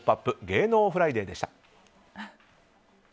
芸能フライデーでした。